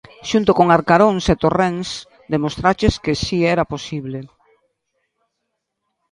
Xunto con Arcaróns e Torrens demostraches que si era posible.